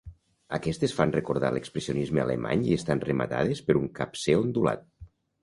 Aquestes fan recordar l'expressionisme alemany i estan rematades per un capcer ondulat.